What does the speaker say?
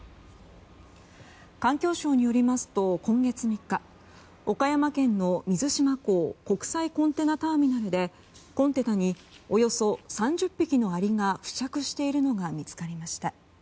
環境省によりますと今月３日岡山県の水島港国際コンテナターミナルでコンテナにおよそ３０匹のアリが付着しているのが見つかりました。